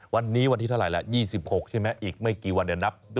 วันนี้วันที่เท่าไหร่๒๖ใช่ไหมอีกไม่กี่วันเนี่ยนับ